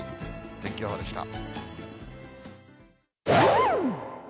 天気予報でした。